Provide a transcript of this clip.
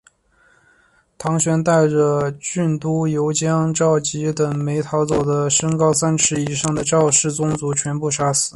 唐玹带着郡督邮将赵岐等没逃走的身高三尺以上的赵氏宗族全部杀死。